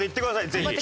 ぜひ。